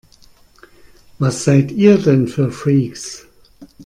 Was seid ihr denn für Freaks?